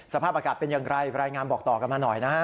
สภาพอากาศเป็นอย่างไรรายงานบอกต่อกันมาหน่อยนะฮะ